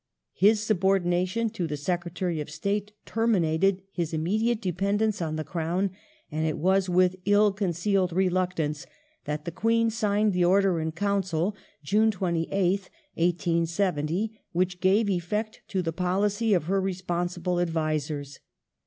His sub ordination to the Secretary of State terminated his immediate dependence on the Crown, and it was " with ill concealed reluctance "^ that the Queen signed the Order in Council (June 28th, 1870) which gave effect to the policy of her responsible advisers.